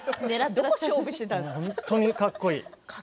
本当にかっこいい。